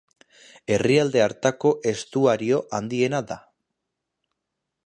Herrialde hartako estuario handiena da.